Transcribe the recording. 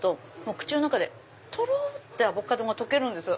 口の中でとろってアボカドが溶けるんです。